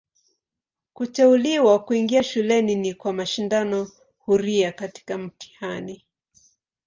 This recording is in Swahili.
Kuteuliwa kuingia shuleni ni kwa mashindano huria katika mtihani.